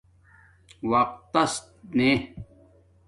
وقت تس نے